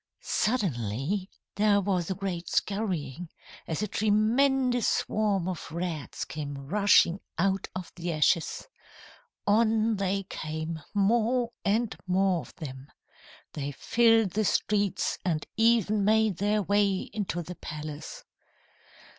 "Suddenly there was a great scurrying, as a tremendous swarm of rats came rushing out of the ashes. On they came, more and more of them. They filled the streets, and even made their way into the palace.